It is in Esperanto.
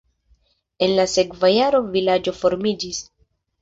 En la sekva jaro vilaĝo formiĝis.